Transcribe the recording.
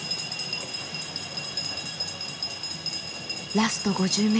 ラスト５０ｍ。